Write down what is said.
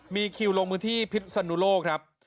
มีคิวลงมือที่พิษนุโลกครับ